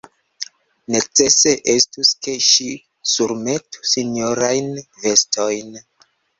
Necese estus, ke ŝi surmetu sinjorajn vestojn.